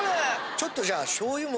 ちょっとじゃあ醤油も。